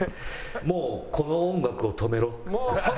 もうこの音楽を止めろ。